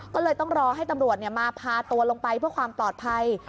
ก็เลยต้องรอให้ตำรวจมาพาตัวลงไปเพื่อความปลอดภัย